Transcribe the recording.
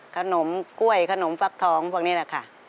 ขนมกล้วยขนมฟักทองพวกนี้แหละค่ะ